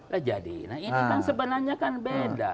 nah jadi nah ini kan sebenarnya kan beda